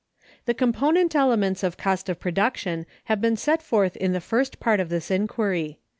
The component elements of Cost of Production have been set forth in the First Part of this inquiry.